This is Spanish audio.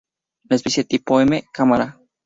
La especie tipo es "M. camara".